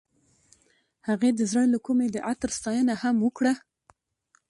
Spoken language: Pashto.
هغې د زړه له کومې د عطر ستاینه هم وکړه.